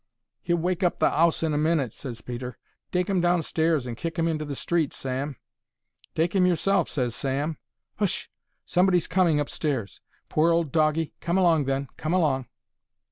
"He'll wake the 'ouse up in a minute," ses Peter. "Take 'im downstairs and kick 'im into the street, Sam." "Take 'im yourself," ses Sam. "Hsh! Somebody's coming upstairs. Poor old doggie. Come along, then. Come along."